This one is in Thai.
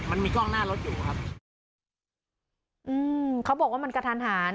มันมีกล้องหน้ารถอยู่ครับอืมเขาบอกว่ามันกระทันหัน